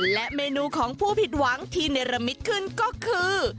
และเมนูของผู้ผิดหวังที่เนรมิตขึ้นก็คือ